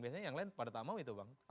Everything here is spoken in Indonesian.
biasanya yang lain pada tak mau itu bang